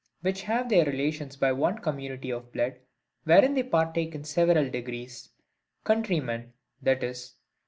which have their relations by one community of blood, wherein they partake in several degrees: countrymen, i.e.